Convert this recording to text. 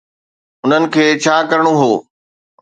انهن کي ڇا ڪرڻو هو.